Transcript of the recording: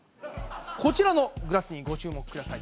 こちらのグラスにご注目ください。